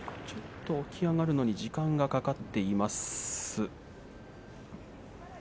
ちょっと起き上がるのに時間がかかっています。